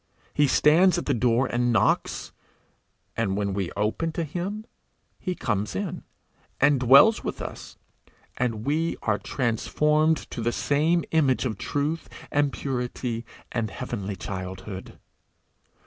He stands at the door and knocks, and when we open to him he comes in, and dwells with us, and we are transformed to the same image of truth and purity and heavenly childhood.